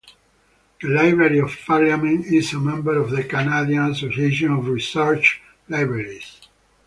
The Library of Parliament is a member of the Canadian Association of Research Libraries.